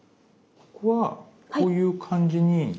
ここはこういう感じに。